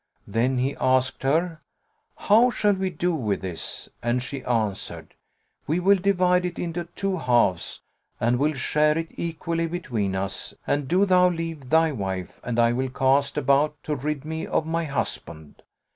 Then he asked her, "How shall we do with this?" and she answered; "We will divide it into two halves and will share it equally between us, and do thou leave thy wife and I will cast about to rid me of my husband.